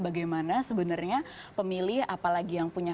bagaimana sebenarnya pemilih apalagi yang punya